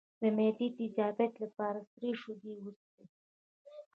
د معدې د تیزابیت لپاره سړې شیدې وڅښئ